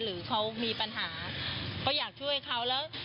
หรือเขามีปัญหาก็อยากช่วยเขาแล้ว